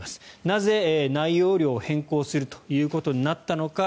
なぜ、内容量を変更するということになったのか。